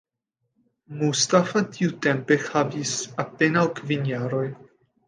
Mustafa tiutempe havis apenaŭ kvin jaroj.